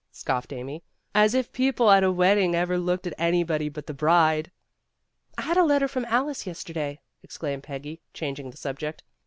scoffed Amy, "As if people at a wedding ever looked at anybody but the bride!" "I had a letter from Alice, yesterday," ex claimed Peggy, changing the subject.